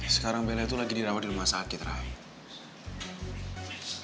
sekarang bella itu lagi dirawat di rumah sakit